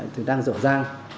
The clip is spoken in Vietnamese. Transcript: thì đang dở dang